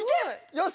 よし！